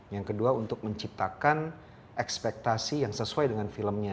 yang kedua untuk menciptakan ekspektasi yang sesuai dengan filmnya